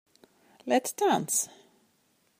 Let's dance.